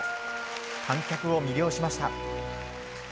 観客を魅了しました。